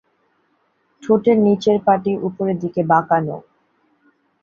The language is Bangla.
ঠোঁটের নিচের পাটি উপরের দিকে বাঁকানো।